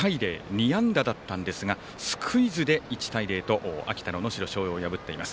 ２安打だったんですがスクイズで１対０と能代松陽を破っています。